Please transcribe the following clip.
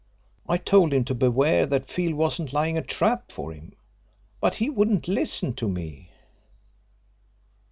I told him to beware that Field wasn't laying a trap for him, but he wouldn't listen to me.